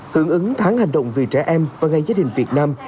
hưởng ứng tháng hành động vì trẻ em và ngày gia đình việt nam